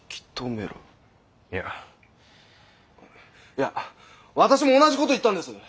いや私も同じ事を言ったんです。